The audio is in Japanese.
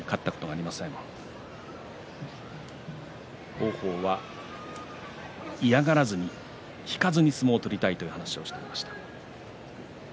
王鵬は嫌がらずに引かずに相撲を取りたいと話をしています。